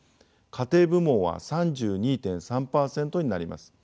家庭部門は３２．３％になります。